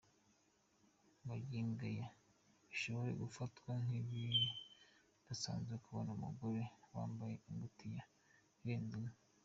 Magingo aya bishobora gufatwa nk’ibidasazwe kubona umugore wambaye ingutiya zirenze imwe.